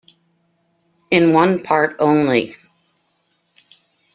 In one part only.